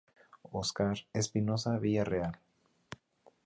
Oscar Espinoza Villareal.